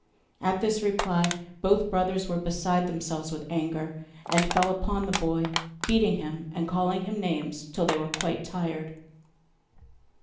At this reply both brothers were beside themselves with anger, and fell upon the boy, beating him, and calling him names, till they were quite tired.